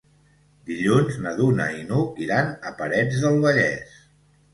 Dilluns na Duna i n'Hug iran a Parets del Vallès.